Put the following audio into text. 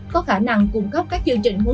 có khả năng cung cấp các chương trình mua vé sớm